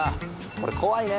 これ怖いね。